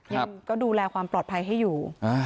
ยังก็ดูแลความปลอดภัยให้อยู่